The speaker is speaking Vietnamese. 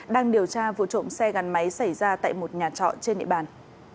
đang điều tra vụ trộm xe gắn máy xảy ra tại một nhà trọ trên địa bàn